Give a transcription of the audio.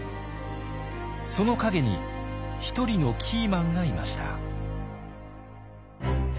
その陰に一人のキーマンがいました。